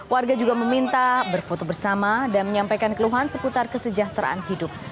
warga juga meminta berfoto bersama dan menyampaikan keluhan seputar kesejahteraan hidup